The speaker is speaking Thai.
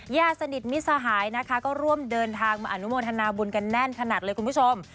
ญาติสนิทมิสหายนะคะก็ร่วมเดินทางมาอนุโมทนาบุญกันแน่นขนาดเลยคุณผู้ชม